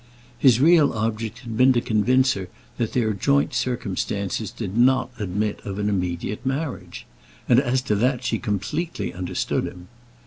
His real object had been to convince her that their joint circumstances did not admit of an immediate marriage; and as to that she completely understood him.